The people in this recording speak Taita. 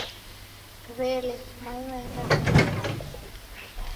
Welee, mayo waenda hao?